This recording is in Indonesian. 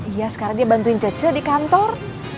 iya sekarang dia bantuin cece di kantor